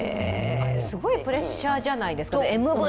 すごいプレッシャーじゃないですかね。